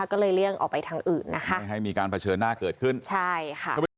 ก็เลยเลี่ยงออกไปทางอื่นนะคะไม่ให้มีการเผชิญหน้าเกิดขึ้นใช่ค่ะ